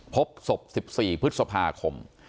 พบศพ๑๔พฤษภาคม